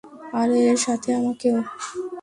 আর, সাথে আমাকেও!